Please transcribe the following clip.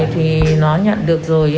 thì nó nhận được rồi